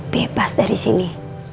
bebas dari sini